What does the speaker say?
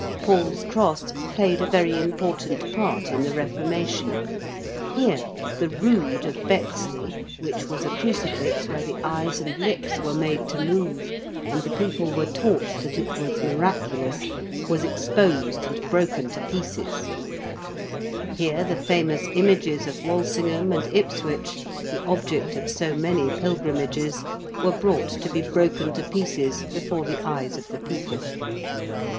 Paul's Cross played a very important part in the Reformation. Here the 'Rood' of Bexley, which was a crucifix where the eyes and lips were made to move and the people were taught that it was miraculous, was exposed and broken to pieces: here the famous images of Walsingham and Ipswich, the object of so many pilgrimages, were brought to be broken to pieces before the eyes of the people.